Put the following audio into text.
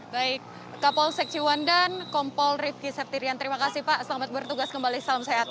baik kapolsek ciwandan kompol rifki septirian terima kasih pak selamat bertugas kembali salam sehat